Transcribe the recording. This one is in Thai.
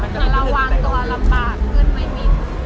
ระวังตัวลำบากขึ้นไว้มิ้น